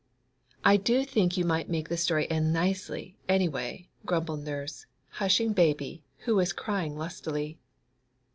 'I do think you might make the story end nicely, any way,' grumbled nurse, hushing Baby, who was crying lustily.